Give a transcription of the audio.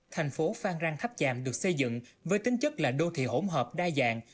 thành phố phan rang tháp tràm được xây dựng với tính chất là đô thị hỗn hợp đa dạng